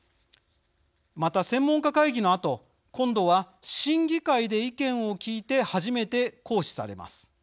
また、専門家会議のあと今度は審議会で意見を聞いて初めて行使されます。